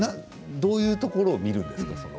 どういうところを見るんですか？